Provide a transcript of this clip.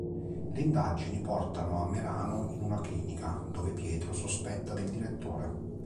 Le indagini portano a Merano in una clinica, dove Pietro sospetta del direttore.